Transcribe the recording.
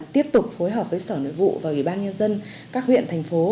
tiếp tục phối hợp với sở nội vụ và ủy ban nhân dân các huyện thành phố